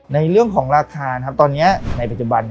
ในเรื่องของราคาตอนนี้ในปัจจุบัน